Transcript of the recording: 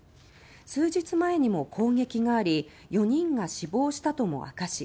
数日前にも攻撃があり４人が死亡したとも明かし